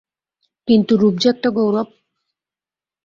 কিন্তু, রূপ যে একটা গৌরব।